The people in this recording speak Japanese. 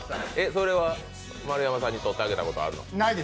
それは丸山さんに取ってあげたことないの？